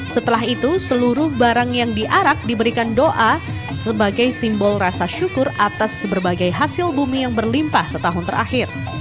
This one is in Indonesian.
setelah itu seluruh barang yang diarak diberikan doa sebagai simbol rasa syukur atas berbagai hasil bumi yang berlimpah setahun terakhir